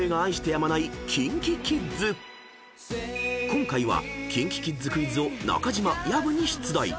［今回はＫｉｎＫｉＫｉｄｓクイズを中島薮に出題］